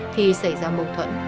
thì xảy ra mâu thuẫn